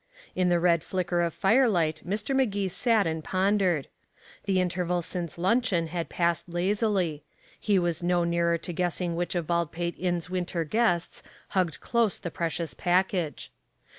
In the red flicker of firelight Mr. Magee sat and pondered; the interval since luncheon had passed lazily; he was no nearer to guessing which of Baldpate Inn's winter guests hugged close the precious package.